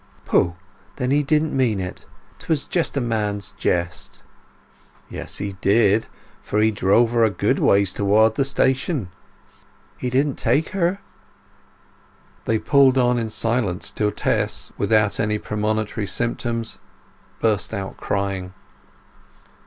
"Pooh—then he didn't mean it! 'Twas just a man's jest!" "Yes he did; for he drove her a good ways towards the station." "He didn't take her!" They pulled on in silence till Tess, without any premonitory symptoms, burst out crying.